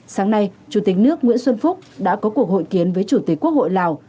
sáng nay chủ tịch nước nguyễn xuân phúc đã có cuộc hội kiến với chủ tịch quốc hội lào